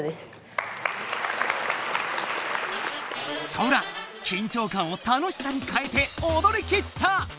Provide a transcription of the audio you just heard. ソラ緊張感を楽しさにかえておどりきった！